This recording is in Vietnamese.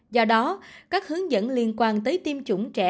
do đó các hướng dẫn liên quan tới tiêm chủng trẻ